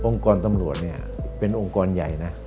องค์กรตำรวจเป็นองค์กรใหญ่